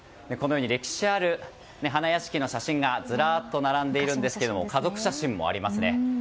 歴史ある花やしきの写真がずらっと並んでいるんですが家族写真もありますね。